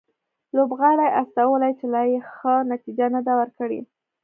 لوبغاړي استولي چې لا یې ښه نتیجه نه ده ورکړې